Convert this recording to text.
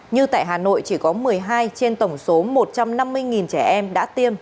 như tại hà nội chỉ có một mươi hai trên tổng số một trăm năm mươi trẻ em đã tiêm